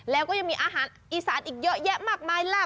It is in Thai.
แล้วก็ยังมีอาหารอีสานอีกเยอะแยะมากมายล่ะ